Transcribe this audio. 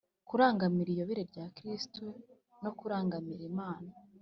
kurangamira iyobera rya kristu no kurangamira imana